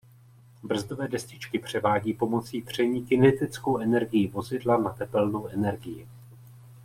Brzdové destičky převádí pomocí tření kinetickou energii vozidla na tepelnou energii.